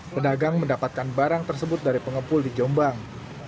pedagang mendapatkan barang tersebut dari pengepul di jombang